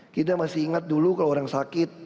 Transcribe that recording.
kita masih ingat dulu kalau orang sakit